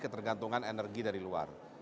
ketergantungan energi dari luar